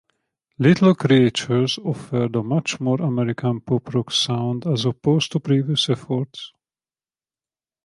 "Little Creatures" offered a much more American pop-rock sound as opposed to previous efforts.